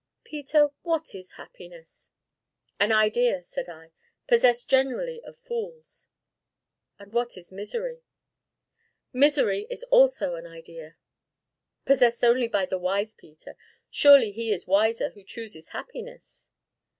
"Peter, what is happiness?" "An idea," said I, "possessed generally of fools!" "And what is misery?" "Misery is also an idea." "Possessed only by the wise, Peter; surely he is wiser who chooses happiness?"